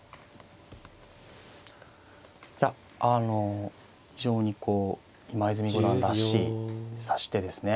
いやあの非常にこう今泉五段らしい指し手ですね。